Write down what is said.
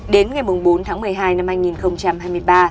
đến ngày bốn tháng một mươi hai năm hai nghìn hai mươi ba